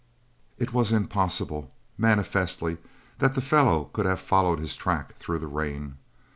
It was impossible, manifestly, that the fellow could have followed his track through the rain.